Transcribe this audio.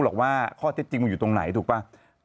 หรอกว่าข้อเท็จจริงมันอยู่ตรงไหนถูกป่ะ